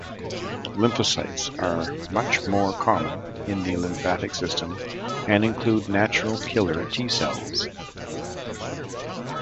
Lymphocytes are much more common in the lymphatic system, and include natural killer T-cells.